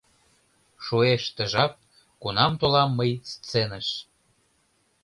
Шуэш ты жап, кунам толам мый сценыш.